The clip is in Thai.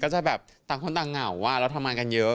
ก็จะต่างคนต่างเหงาว่าเราทำงานกันเยอะ